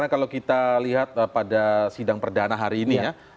jadi kita lihat pada sidang perdana hari ini ya